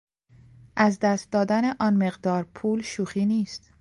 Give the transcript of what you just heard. از دست دادن آن مقدار پول شوخی نیست!